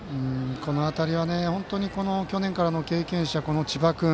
この辺りは去年からの経験者、千葉君